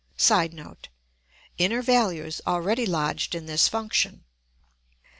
[Sidenote: Inner values already lodged in this function.